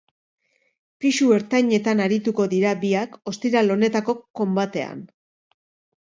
Pisu ertainetan arituko dira biak ostiral honetako konbatean.